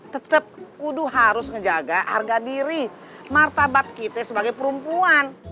tetap kudu harus menjaga harga diri martabat kita sebagai perempuan